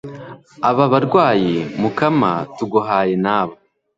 aba barwayi mukama tuguhaye, n'aba